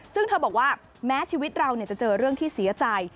ซึ่งเธอบอกว่าแม้ชีวิตเราจะเจอเรื่องที่เสียใจ